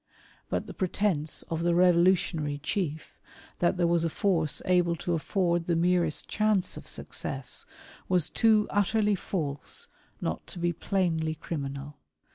But the pretence of " the revolutionary chief, that there was a force able to afford the " merest chance of success, was too utterly false not to be " plainly criminal.